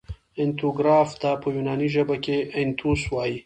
اتنوګراف ته په یوناني ژبه کښي انتوس وايي.